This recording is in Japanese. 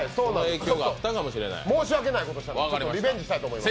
申し訳ないことしたので、リベンジしたいと思います。